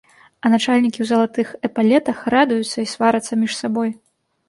А начальнікі ў залатых эпалетах радуюцца і сварацца між сабой.